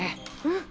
うん。